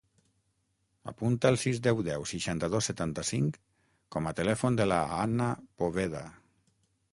Apunta el sis, deu, deu, seixanta-dos, setanta-cinc com a telèfon de la Hannah Poveda.